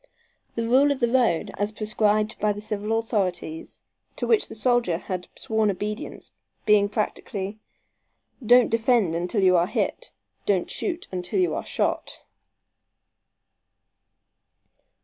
The rule of the road, as prescribed by the civil authorities, to which the soldier had sworn obedience, being practically, "Don't defend until you are hit. Don't shoot until you are shot."